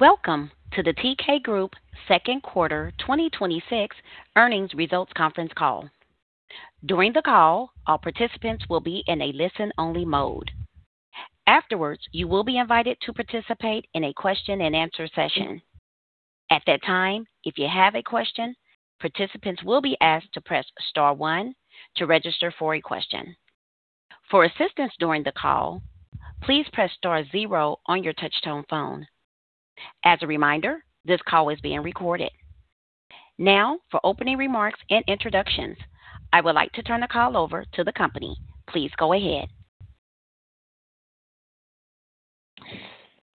Welcome to the Teekay Group Second Quarter 2026 Earnings Results conference call. During the call, all participants will be in a listen-only mode. Afterwards, you will be invited to participate in a question and answer session. At that time, if you have a question, participants will be asked to press star one to register for a question. For assistance during the call, please press star zero on your touch tone phone. As a reminder, this call is being recorded. Now, for opening remarks and introductions, I would like to turn the call over to the company. Please go ahead.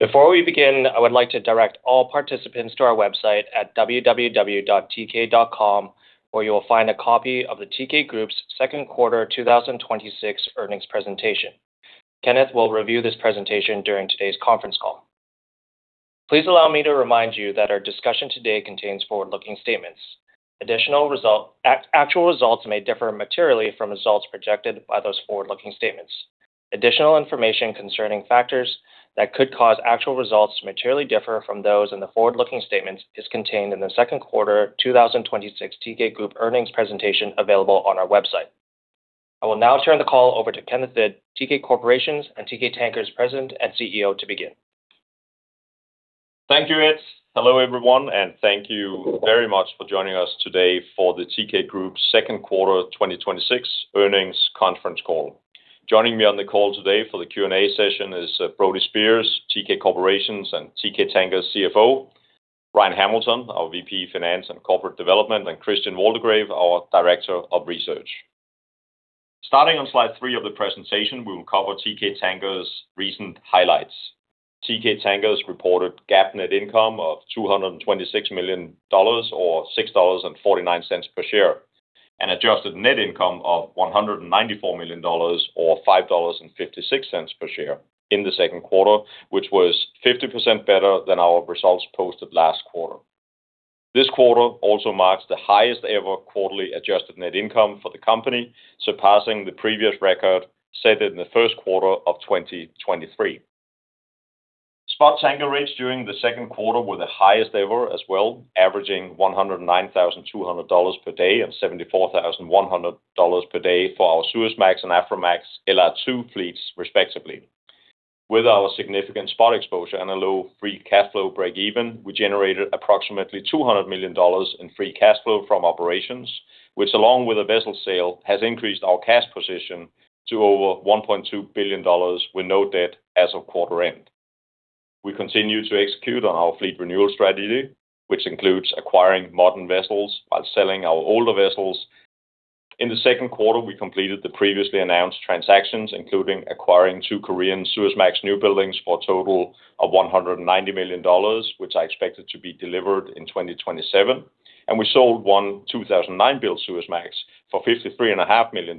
Before we begin, I would like to direct all participants to our website at teekay.com where you will find a copy of the Teekay Group's second quarter 2026 earnings presentation. Kenneth will review this presentation during today's conference call. Please allow me to remind you that our discussion today contains forward-looking statements. Actual results may differ materially from results projected by those forward-looking statements. Additional information concerning factors that could cause actual results to materially differ from those in the forward-looking statements is contained in the second quarter 2026 Teekay Group earnings presentation available on our website. I will now turn the call over to Kenneth Hvid, Teekay Corporation's and Teekay Tankers President and CEO to begin. Thank you, Ed. Hello, everyone, and thank you very much for joining us today for the Teekay Group's second quarter 2026 earnings conference call. Joining me on the call today for the Q&A session is Brody Speers, Teekay Corporation's and Teekay Tankers CFO, Ryan Hamilton, our VP Finance and Corporate Development, and Christian Waldegrave, our Director of Research. Starting on slide three of the presentation, we will cover Teekay Tankers' recent highlights. Teekay Tankers reported GAAP net income of $226 million, or $6.49 per share, and adjusted net income of $194 million, or $5.56 per share in the second quarter, which was 50% better than our results posted last quarter. This quarter also marks the highest ever quarterly adjusted net income for the company, surpassing the previous record set in the first quarter of 2023. Spot tanker rates during the second quarter were the highest ever as well, averaging $109,200 per day and $74,100 per day for our Suezmax and Aframax LR2 fleets respectively. With our significant spot exposure and a low free cash flow break even, we generated approximately $200 million in free cash flow from operations, which, along with a vessel sale, has increased our cash position to over $1.2 billion with no debt as of quarter end. We continue to execute on our fleet renewal strategy, which includes acquiring modern vessels by selling our older vessels. In the second quarter, we completed the previously announced transactions including acquiring two Korean Suezmax new buildings for a total of $190 million, which are expected to be delivered in 2027. We sold one 2009-built Suezmax for $53.5 million,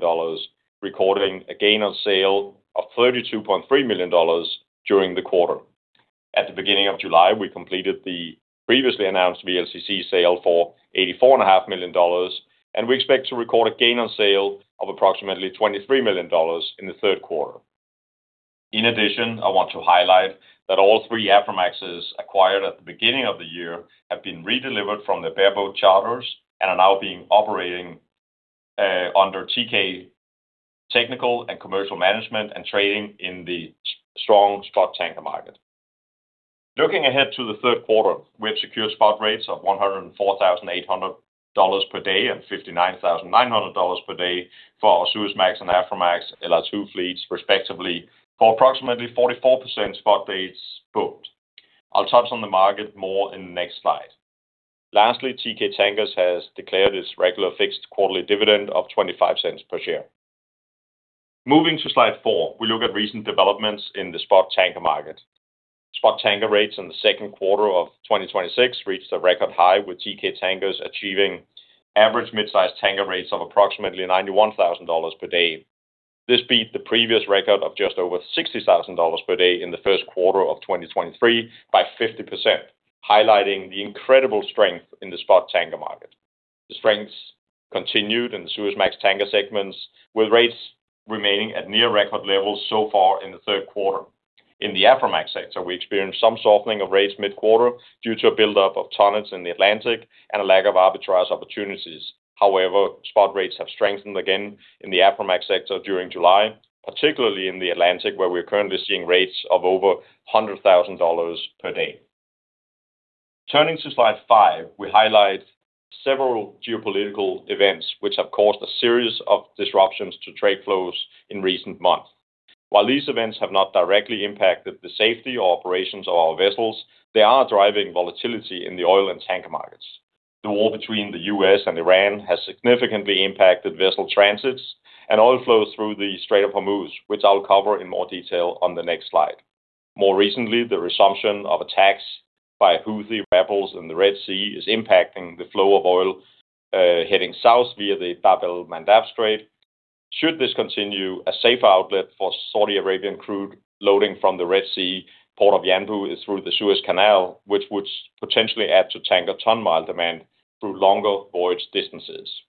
recording a gain on sale of $32.3 million during the quarter. At the beginning of July, we completed the previously announced VLCC sale for $84.5 million, and we expect to record a gain on sale of approximately $23 million in the third quarter. In addition, I want to highlight that all three Aframaxes acquired at the beginning of the year have been redelivered from their bareboat charters and are now being operating under Teekay technical and commercial management and trading in the strong spot tanker market. Looking ahead to the third quarter, we have secured spot rates of $104,800 per day and $59,900 per day for our Suezmax and Aframax LR2 fleets, respectively, for approximately 44% spot rates booked. I'll touch on the market more in the next slide. Lastly, Teekay Tankers has declared its regular fixed quarterly dividend of $0.25 per share. Moving to slide four, we look at recent developments in the spot tanker market. Spot tanker rates in the second quarter of 2026 reached a record high, with Teekay Tankers achieving average mid-size tanker rates of approximately $91,000 per day. This beat the previous record of just over $60,000 per day in the first quarter of 2023 by 50%, highlighting the incredible strength in the spot tanker market. The strength continued in the Suezmax tanker segments, with rates remaining at near record levels so far in the third quarter. In the Aframax sector, we experienced some softening of rates mid-quarter due to a buildup of tonnage in the Atlantic and a lack of arbitrage opportunities. However, spot rates have strengthened again in the Aframax sector during July, particularly in the Atlantic, where we're currently seeing rates of over $100,000 per day. Turning to slide five, we highlight several geopolitical events which have caused a series of disruptions to trade flows in recent months. While these events have not directly impacted the safety or operations of our vessels, they are driving volatility in the oil and tanker markets. The war between the U.S. and Iran has significantly impacted vessel transits and oil flows through the Strait of Hormuz, which I will cover in more detail on the next slide. More recently, the resumption of attacks by Houthi rebels in the Red Sea is impacting the flow of oil heading south via the Bab el-Mandab Strait. Should this continue, a safer outlet for Saudi Arabian crude loading from the Red Sea. Port of Yanbu is through the Suez Canal, which would potentially add to tanker ton-mile demand through longer voyage distances.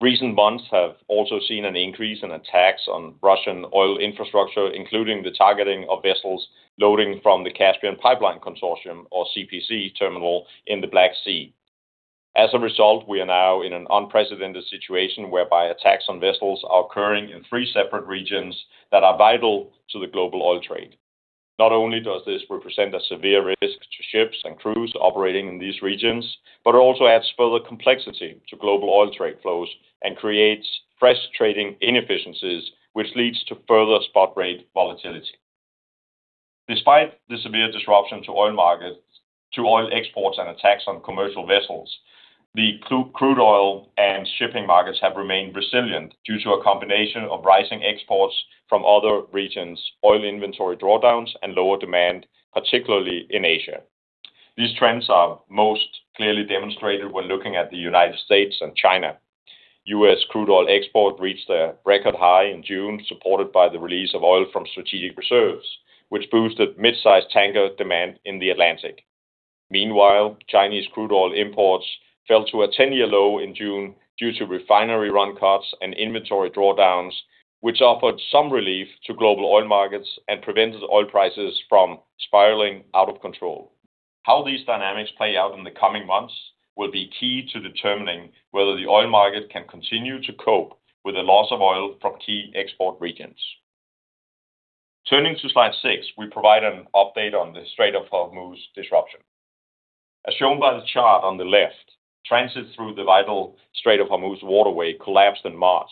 Recent months have also seen an increase in attacks on Russian oil infrastructure, including the targeting of vessels loading from the Caspian Pipeline Consortium, or CPC terminal in the Black Sea. As a result, we are now in an unprecedented situation whereby attacks on vessels are occurring in three separate regions that are vital to the global oil trade. Not only does this represent a severe risk to ships and crews operating in these regions, but it also adds further complexity to global oil trade flows and creates frustrating inefficiencies, which leads to further spot rate volatility. Despite the severe disruption to oil exports and attacks on commercial vessels, the crude oil and shipping markets have remained resilient due to a combination of rising exports from other regions, oil inventory drawdowns, and lower demand, particularly in Asia. These trends are most clearly demonstrated when looking at the United States and China. U.S. crude oil export reached a record high in June, supported by the release of oil from strategic reserves, which boosted mid-sized tanker demand in the Atlantic. Meanwhile, Chinese crude oil imports fell to a 10-year low in June due to refinery run cuts and inventory drawdowns, which offered some relief to global oil markets and prevented oil prices from spiraling out of control. How these dynamics play out in the coming months will be key to determining whether the oil market can continue to cope with a loss of oil from key export regions. Turning to slide six, we provide an update on the Strait of Hormuz disruption. As shown by the chart on the left, transit through the vital Strait of Hormuz waterway collapsed in March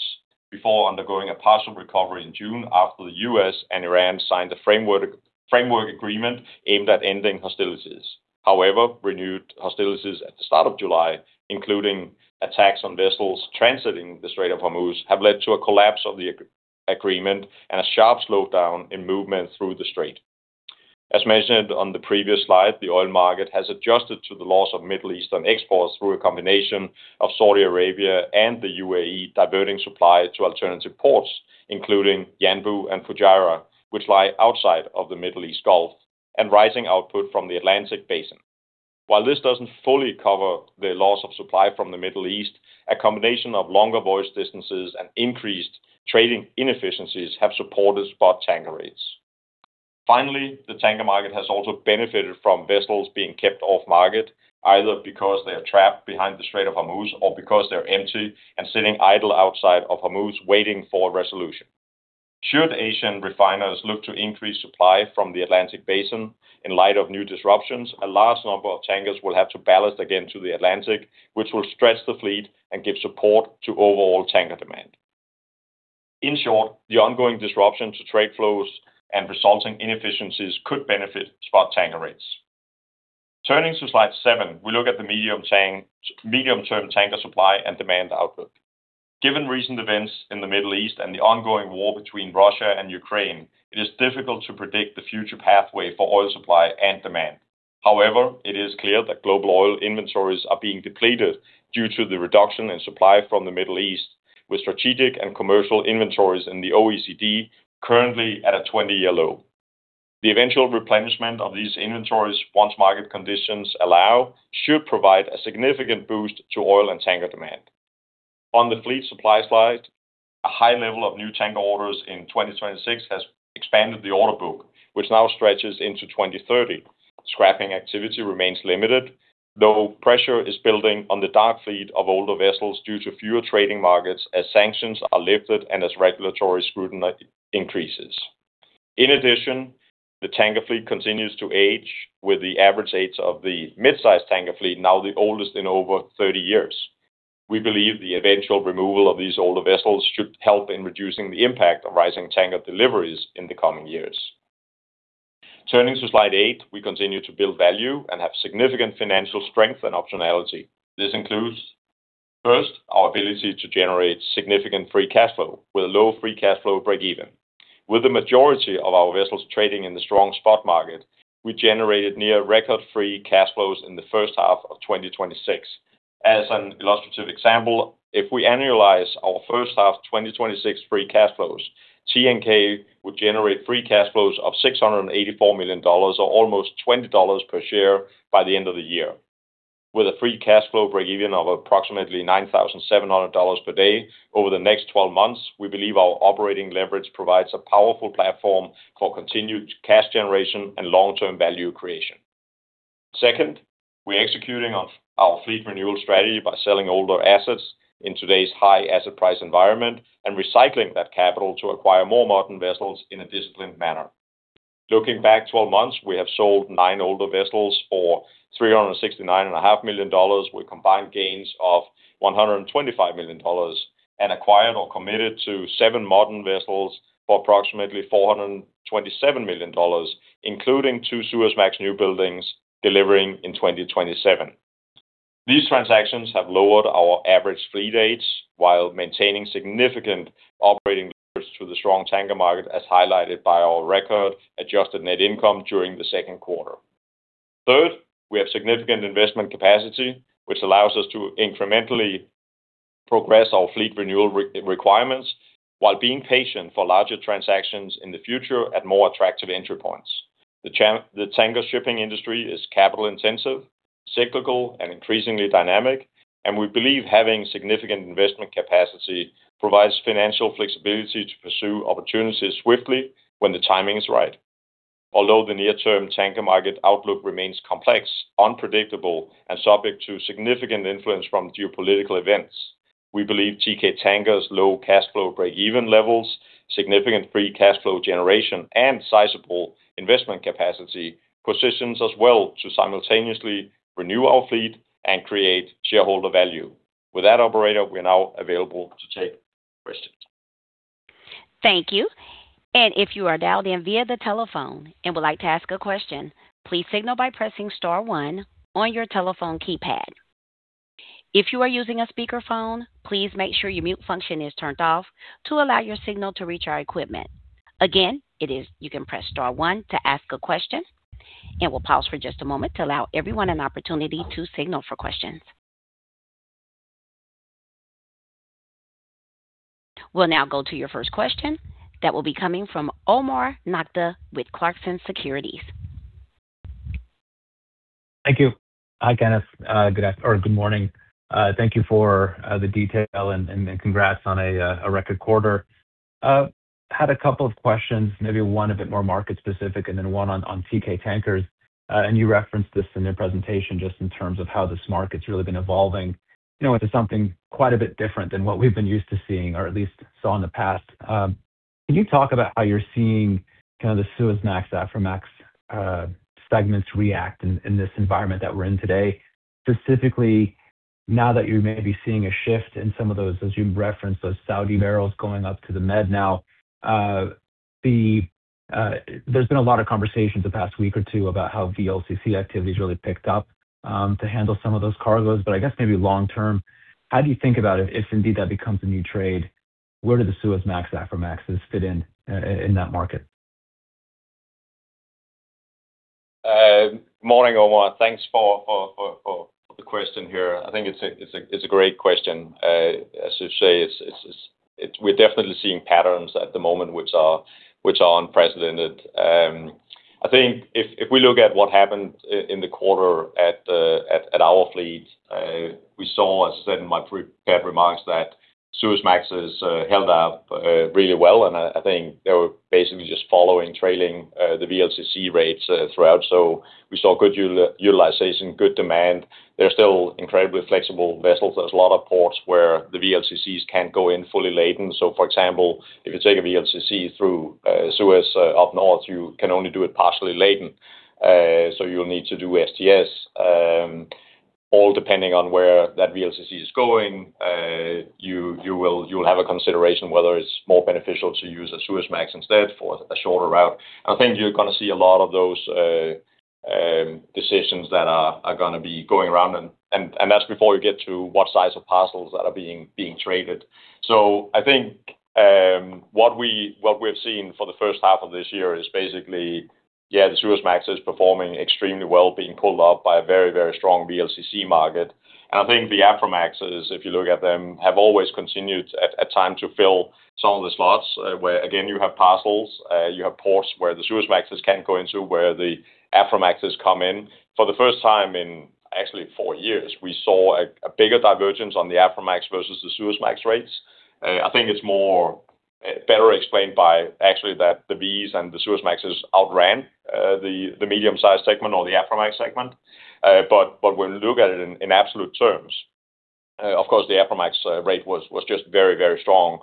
before undergoing a partial recovery in June after the U.S. and Iran signed the framework agreement aimed at ending hostilities. Renewed hostilities at the start of July, including attacks on vessels transiting the Strait of Hormuz, have led to a collapse of the agreement and a sharp slowdown in movement through the strait. As mentioned on the previous slide, the oil market has adjusted to the loss of Middle Eastern exports through a combination of Saudi Arabia and the UAE diverting supply to alternative ports, including Yanbu and Fujairah, which lie outside of the Middle East Gulf and rising output from the Atlantic basin. While this doesn't fully cover the loss of supply from the Middle East, a combination of longer voyage distances and increased trading inefficiencies have supported spot tanker rates. Finally, the tanker market has also benefited from vessels being kept off market, either because they are trapped behind the Strait of Hormuz or because they're empty and sitting idle outside of Hormuz waiting for a resolution. Should Asian refiners look to increase supply from the Atlantic basin in light of new disruptions, a large number of tankers will have to ballast again to the Atlantic, which will stretch the fleet and give support to overall tanker demand. In short, the ongoing disruption to trade flows and resulting inefficiencies could benefit spot tanker rates. Turning to slide seven, we look at the medium-term tanker supply and demand outlook. Given recent events in the Middle East and the ongoing war between Russia and Ukraine, it is difficult to predict the future pathway for oil supply and demand. However, it is clear that global oil inventories are being depleted due to the reduction in supply from the Middle East with strategic and commercial inventories in the OECD currently at a 20-year low. The eventual replenishment of these inventories, once market conditions allow, should provide a significant boost to oil and tanker demand. On the fleet supply slide, a high level of new tanker orders in 2026 has expanded the order book, which now stretches into 2030. Scrapping activity remains limited, though pressure is building on the dark fleet of older vessels due to fewer trading markets as sanctions are lifted and as regulatory scrutiny increases. In addition, the tanker fleet continues to age with the average age of the mid-sized tanker fleet now the oldest in over 30 years. We believe the eventual removal of these older vessels should help in reducing the impact of rising tanker deliveries in the coming years. Turning to slide eight, we continue to build value and have significant financial strength and optionality. This includes, first, our ability to generate significant free cash flow with a low free cash flow breakeven. With the majority of our vessels trading in the strong spot market, we generated near record free cash flows in the first half of 2026. As an illustrative example, if we annualize our first half 2026 free cash flows, TNK would generate free cash flows of $684 million, or almost $20 per share by the end of the year. With a free cash flow breakeven of approximately $9,700 per day over the next 12 months, we believe our operating leverage provides a powerful platform for continued cash generation and long-term value creation. Second, we're executing on our fleet renewal strategy by selling older assets in today's high asset price environment and recycling that capital to acquire more modern vessels in a disciplined manner. Looking back 12 months, we have sold nine older vessels for $369.5 million with combined gains of $125 million and acquired or committed to seven modern vessels for approximately $427 million, including two Suezmax new buildings delivering in 2027. These transactions have lowered our average fleet age while maintaining significant operating leverage through the strong tanker market, as highlighted by our record adjusted net income during the second quarter. Third, we have significant investment capacity, which allows us to incrementally progress our fleet renewal requirements while being patient for larger transactions in the future at more attractive entry points. The tanker shipping industry is capital intensive, cyclical, and increasingly dynamic, and we believe having significant investment capacity provides financial flexibility to pursue opportunities swiftly when the timing is right. Although the near-term tanker market outlook remains complex, unpredictable, and subject to significant influence from geopolitical events, we believe Teekay Tankers low cash flow breakeven levels, significant free cash flow generation, and sizable investment capacity positions us well to simultaneously renew our fleet and create shareholder value. With that, operator, we are now available to take questions. Thank you. If you are dialed in via the telephone and would like to ask a question, please signal by pressing star one on your telephone keypad. If you are using a speakerphone, please make sure your mute function is turned off to allow your signal to reach our equipment. Again, you can press star one to ask a question, and we'll pause for just a moment to allow everyone an opportunity to signal for questions. We'll now go to your first question. That will be coming from Omar Nokta with Clarksons Securities. Thank you. Hi, Kenneth. Good morning. Thank you for the detail and congrats on a record quarter. I had a couple of questions, maybe one a bit more market specific and then one on Teekay Tankers. You referenced this in your presentation just in terms of how this market's really been evolving into something quite a bit different than what we've been used to seeing or at least saw in the past. Can you talk about how you're seeing the Suezmax, Aframax segments react in this environment that we're in today? Specifically, now that you may be seeing a shift in some of those, as you referenced, those Saudi barrels going up to the Med now. There's been a lot of conversations the past week or two about how VLCC activity's really picked up to handle some of those cargoes. I guess maybe long term, how do you think about it if indeed that becomes a new trade? Where do the Suezmax, Aframaxes fit in in that market? Morning, Omar. Thanks for the question here. I think it's a great question. As you say, we're definitely seeing patterns at the moment which are unprecedented. I think if we look at what happened in the quarter at our fleet, we saw, as I said in my prepared remarks, that Suezmax has held up really well. I think they were basically just following, trailing, the VLCC rates throughout. We saw good utilization, good demand. They're still incredibly flexible vessels. There's a lot of ports where the VLCCs can't go in fully laden. For example, if you take a VLCC through Suez up north, you can only do it partially laden, so you'll need to do STS. All depending on where that VLCC is going, you will have a consideration whether it's more beneficial to use a Suezmax instead for a shorter route. I think you're going to see a lot of those decisions that are going to be going around. That's before you get to what size of parcels that are being traded. I think what we've seen for the first half of this year is basically, yeah, the Suezmax is performing extremely well, being pulled up by a very, very strong VLCC market. I think the Aframaxes, if you look at them, have always continued at time to fill some of the slots where, again, you have parcels, you have ports where the Suezmaxes can't go into, where the Aframaxes come in. For the first time in actually four years, we saw a bigger divergence on the Aframax versus the Suezmax rates. I think it's better explained by actually that the Vs and the Suezmaxes outran the medium-sized segment or the Aframax segment. When you look at it in absolute terms, of course, the Aframax rate was just very, very strong.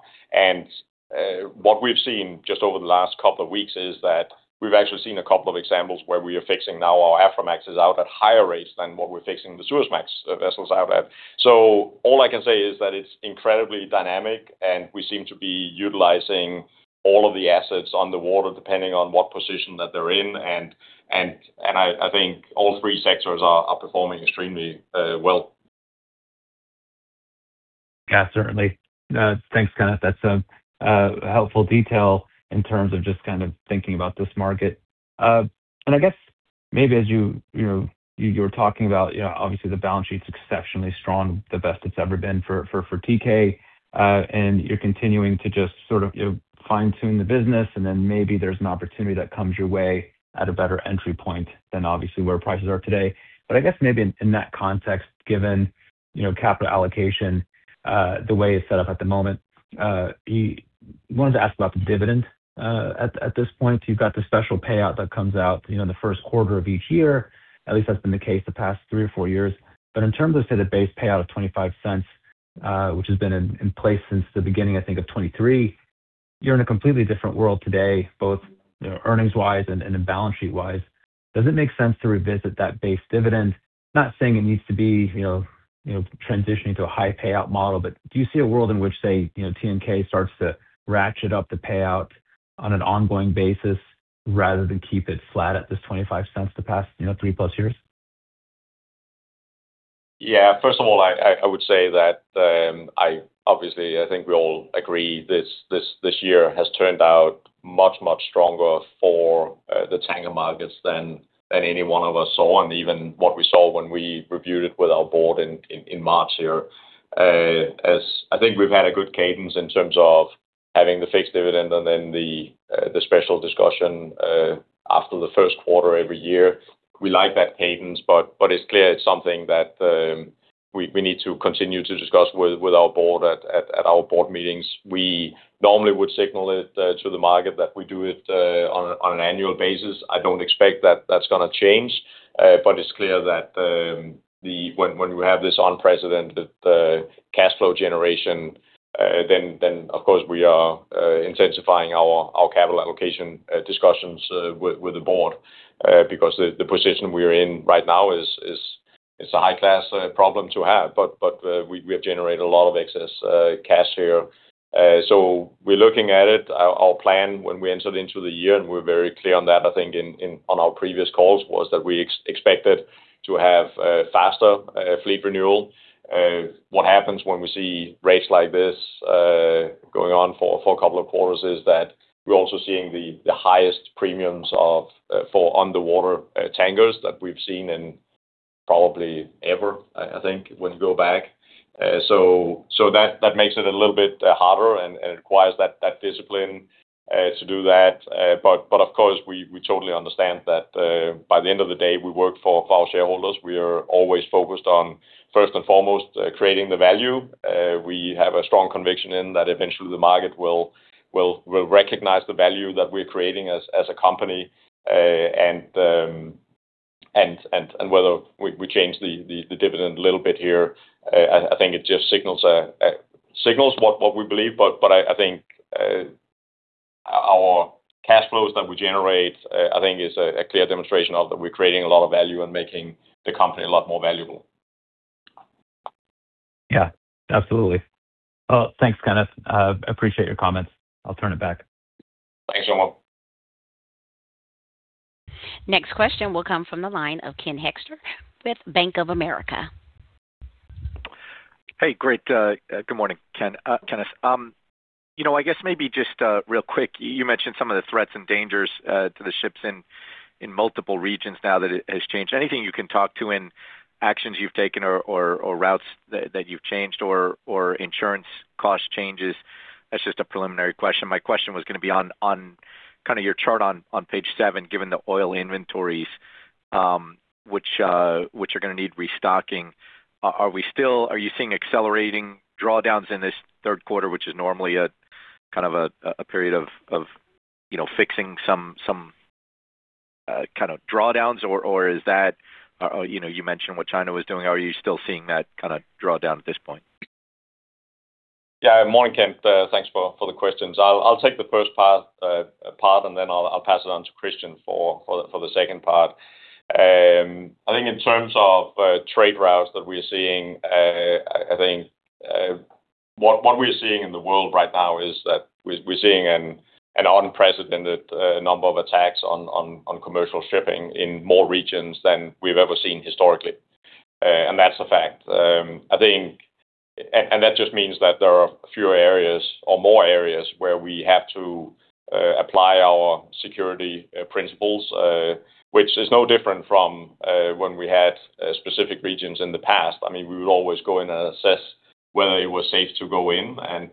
What we've seen just over the last couple of weeks is that we've actually seen a couple of examples where we are fixing now our Aframaxes out at higher rates than what we're fixing the Suezmax vessels out at. All I can say is that it's incredibly dynamic, and we seem to be utilizing all of the assets on the water, depending on what position that they're in, and I think all three sectors are performing extremely well. Yeah, certainly. Thanks, Kenneth. That's a helpful detail in terms of just kind of thinking about this market. I guess maybe as you were talking about, obviously, the balance sheet's exceptionally strong, the best it's ever been for Teekay. You're continuing to just sort of fine-tune the business, and then maybe there's an opportunity that comes your way at a better entry point than obviously where prices are today. I guess maybe in that context, given capital allocation the way it's set up at the moment, wanted to ask about the dividend. At this point, you've got the special payout that comes out in the first quarter of each year. At least that's been the case the past three or four years. In terms of, say, the base payout of $0.25, which has been in place since the beginning, I think, of 2023, you're in a completely different world today, both earnings-wise and in balance sheet-wise. Does it make sense to revisit that base dividend? Not saying it needs to be transitioning to a high payout model, but do you see a world in which, say, TNK starts to ratchet up the payout on an ongoing basis rather than keep it flat at this $0.25 the past three-plus years? Yeah. First of all, I would say that, obviously, I think we all agree this year has turned out much, much stronger for the tanker markets than any one of us saw, and even what we saw when we reviewed it with our board in March here. I think we've had a good cadence in terms of having the fixed dividend and then the special discussion after the first quarter every year. We like that cadence, but it's clear it's something that we need to continue to discuss with our board at our board meetings. We normally would signal it to the market that we do it on an annual basis. I don't expect that that's going to change. It's clear that when we have this unprecedented cash flow generation, of course, we are intensifying our capital allocation discussions with the board, because the position we're in right now is a high-class problem to have. We have generated a lot of excess cash here. We're looking at it. Our plan when we entered into the year, and we're very clear on that, I think, on our previous calls, was that we expected to have faster fleet renewal. What happens when we see rates like this going on for a couple of quarters is that we're also seeing the highest premiums for underwater tankers that we've seen in probably ever, I think, when you go back. That makes it a little bit harder and requires that discipline to do that. Of course, we totally understand that by the end of the day, we work for our shareholders. We are always focused on, first and foremost, creating the value. We have a strong conviction in that eventually the market will recognize the value that we're creating as a company. Whether we change the dividend a little bit here, I think it just signals what we believe. I think our cash flows that we generate, I think is a clear demonstration of that we're creating a lot of value and making the company a lot more valuable. Yeah, absolutely. Thanks, Kenneth. I appreciate your comments. I'll turn it back. Thanks, Omar. Next question will come from the line of Ken Hoexter with Bank of America. Hey, great. Good morning, Kenneth. I guess maybe just real quick, you mentioned some of the threats and dangers to the ships in multiple regions now that it has changed. Anything you can talk to in actions you've taken or routes that you've changed or insurance cost changes? That's just a preliminary question. My question was going to be on your chart on page seven, given the oil inventories, which are going to need restocking. Are you seeing accelerating drawdowns in this third quarter, which is normally a period of fixing some kind of drawdowns? You mentioned what China was doing. Are you still seeing that kind of drawdown at this point? Yeah. Morning, Ken. Thanks for the questions. I'll take the first part, then I'll pass it on to Christian for the second part. I think in terms of trade routes that we're seeing, what we're seeing in the world right now is that we're seeing an unprecedented number of attacks on commercial shipping in more regions than we've ever seen historically. That's a fact. That just means that there are fewer areas or more areas where we have to apply our security principles which is no different from when we had specific regions in the past. We would always go in and assess whether it was safe to go in, and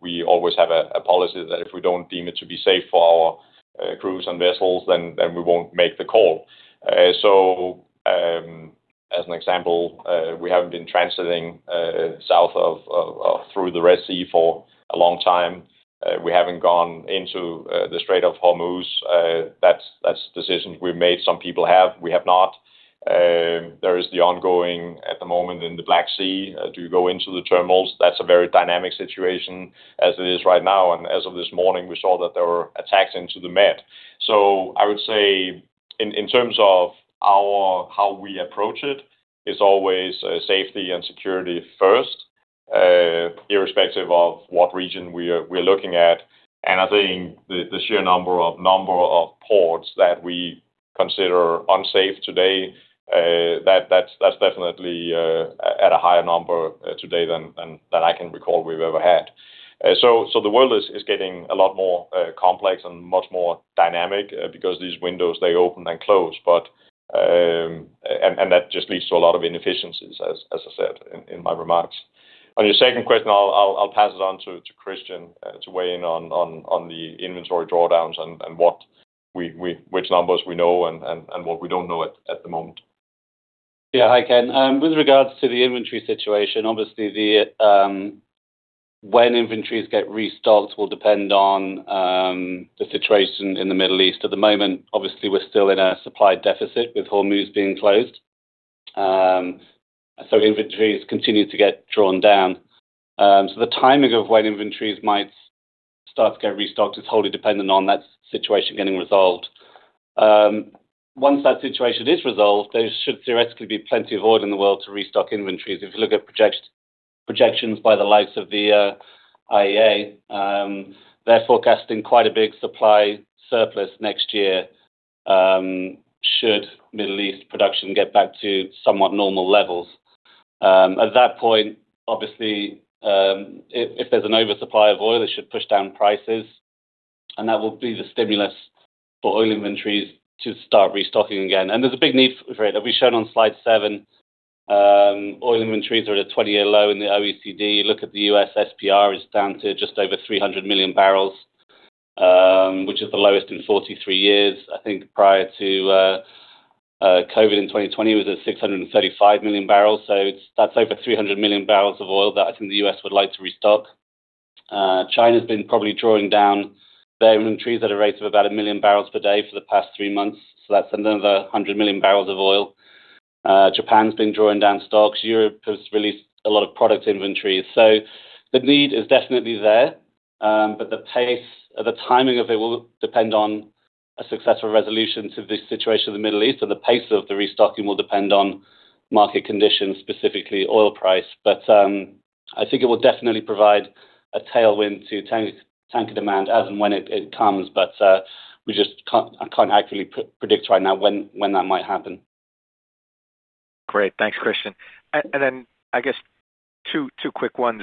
we always have a policy that if we don't deem it to be safe for our crews and vessels, then we won't make the call. As an example, we haven't been transiting south through the Red Sea for a long time. We haven't gone into the Strait of Hormuz. That's decisions we've made. Some people have, we have not. There is the ongoing, at the moment in the Black Sea, do you go into the terminals? That's a very dynamic situation as it is right now. As of this morning, we saw that there were attacks into the Med. I would say in terms of how we approach it's always safety and security first, irrespective of what region we're looking at. I think the sheer number of ports that we consider unsafe today, that's definitely at a higher number today than I can recall we've ever had. The world is getting a lot more complex and much more dynamic because these windows, they open and close. That just leads to a lot of inefficiencies, as I said in my remarks. On your second question, I'll pass it on to Christian to weigh in on the inventory drawdowns and which numbers we know and what we don't know at the moment. Yeah. Hi, Ken. With regards to the inventory situation, obviously, when inventories get restocked will depend on the situation in the Middle East. At the moment, obviously, we're still in a supply deficit with Hormuz being closed. Inventories continue to get drawn down. The timing of when inventories might start to get restocked is wholly dependent on that situation getting resolved. Once that situation is resolved, there should theoretically be plenty of oil in the world to restock inventories. If you look at projections by the likes of the IEA, they're forecasting quite a big supply surplus next year should Middle East production get back to somewhat normal levels. At that point, obviously, if there's an oversupply of oil, it should push down prices. That will be the stimulus for oil inventories to start restocking again. There's a big need for it. It'll be shown on slide seven. Oil inventories are at a 20-year low in the OECD. Look at the U.S. SPR is down to just over 300 million barrels, which is the lowest in 43 years. I think prior to COVID in 2020, it was at 635 million barrels. That's over 300 million barrels of oil that I think the U.S. would like to restock. China's been probably drawing down their inventories at a rate of about 1 million barrels per day for the past three months. That's another 100 million barrels of oil. Japan's been drawing down stocks. Europe has released a lot of product inventories. The need is definitely there. The pace or the timing of it will depend on a successful resolution to the situation in the Middle East, and the pace of the restocking will depend on market conditions, specifically oil price. I think it will definitely provide a tailwind to tanker demand as and when it comes. We just can't accurately predict right now when that might happen. Great. Thanks, Christian. I guess two quick ones.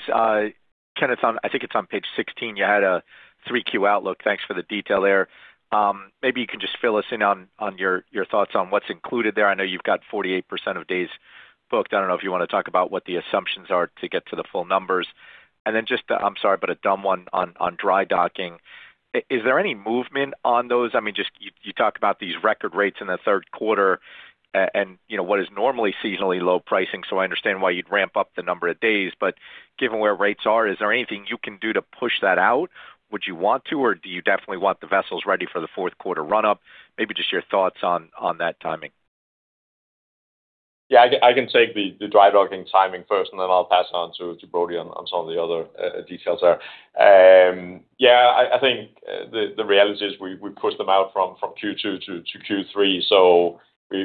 Kenneth, I think it's on page 16. You had a 3Q outlook. Thanks for the detail there. You can just fill us in on your thoughts on what's included there. I know you've got 48% of days booked. I don't know if you want to talk about what the assumptions are to get to the full numbers. Just, I'm sorry, but a dumb one on dry docking. Is there any movement on those? You talk about these record rates in the third quarter, and what is normally seasonally low pricing. I understand why you'd ramp up the number of days. Given where rates are, is there anything you can do to push that out? Would you want to, or do you definitely want the vessels ready for the fourth quarter run-up? Just your thoughts on that timing. I can take the dry docking timing first, and then I'll pass it on to Brody on some of the other details there. The reality is we pushed them out from Q2 to Q3.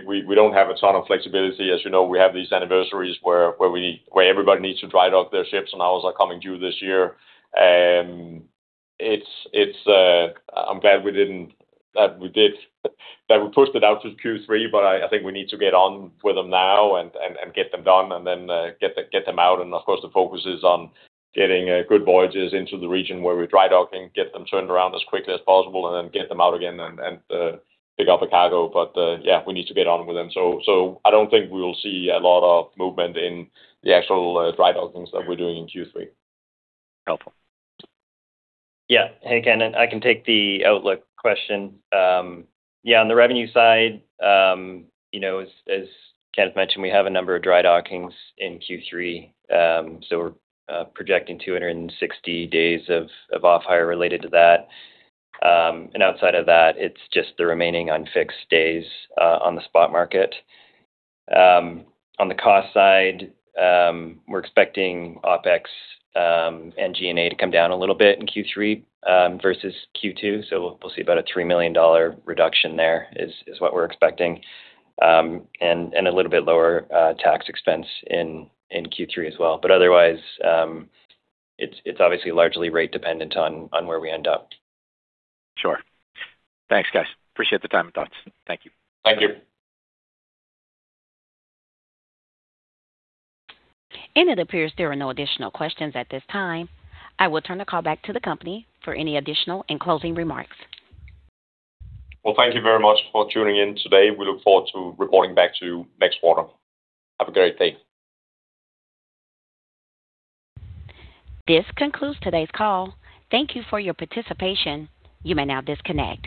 We don't have a ton of flexibility. As you know, we have these anniversaries where everybody needs to dry dock their ships, and ours are coming due this year. I'm glad that we pushed it out to Q3, but we need to get on with them now and get them done and then get them out. Of course, the focus is on getting good voyages into the region where we're dry docking, get them turned around as quickly as possible, and then get them out again and pick up a cargo. We need to get on with them. I don't think we will see a lot of movement in the actual dry dockings that we're doing in Q3. Helpful. Hey, Kenneth. I can take the outlook question. On the revenue side, as Kenneth mentioned, we have a number of dry dockings in Q3. We're projecting 260 days of off-hire related to that. Outside of that, it's just the remaining unfixed days on the spot market. On the cost side, we're expecting OpEx and G&A to come down a little bit in Q3 versus Q2. We'll see about a $3 million reduction there, is what we're expecting. A little bit lower tax expense in Q3 as well. Otherwise, it's obviously largely rate dependent on where we end up. Sure. Thanks, guys. Appreciate the time and thoughts. Thank you. Thank you. Thank you. It appears there are no additional questions at this time. I will turn the call back to the company for any additional and closing remarks. Well, thank you very much for tuning in today. We look forward to reporting back to you next quarter. Have a great day. This concludes today's call. Thank you for your participation. You may now disconnect.